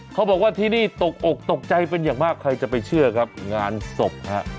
เขาบอกว่าที่นี่ตกอกตกใจเป็นอย่างมากใครจะไปเชื่อครับงานศพฮะ